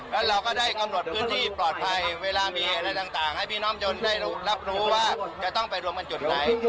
แล้วเราก็ได้กำหนดพื้นที่ปลอดภัยเวลามีอะไรต่างให้พี่น้องยนได้รับรู้ว่าจะต้องไปรวมกันจุดไหน